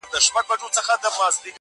د چا د ويښ زړگي ميسج ننوت_